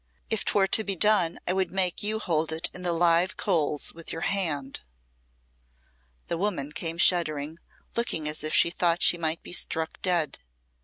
If 'twere to be done I would make you hold it in the live coals with your hand." The woman came shuddering, looking as if she thought she might be struck dead.